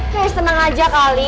guys tenang aja kali